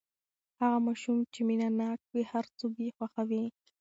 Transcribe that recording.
هغه ماشوم چې مینه ناک وي، هر څوک یې خوښوي.